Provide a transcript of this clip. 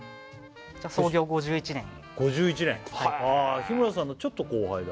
創業５１年５１年日村さんのちょっと後輩だ